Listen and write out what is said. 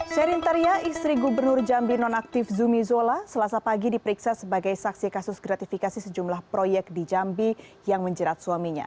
sherin taria istri gubernur jambi nonaktif zumi zola selasa pagi diperiksa sebagai saksi kasus gratifikasi sejumlah proyek di jambi yang menjerat suaminya